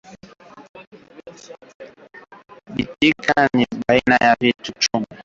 Bitika binaiviya ku muchi